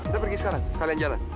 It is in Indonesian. kita pergi sekarang sekalian jalan